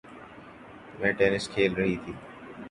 میں ٹینس کھیل رہی تھی